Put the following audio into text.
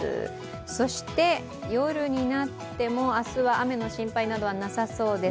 そして、夜になっても明日は雨の心配などはなさそうです。